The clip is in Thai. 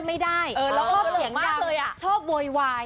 ใช่แล้วก็เขาเปลี่ยนดามชอบโหววาย